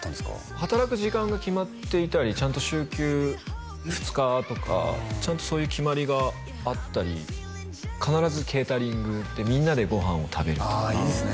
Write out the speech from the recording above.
働く時間が決まっていたりちゃんと週休２日とかちゃんとそういう決まりがあったり必ずケータリングでみんなでご飯を食べるとかああいいですね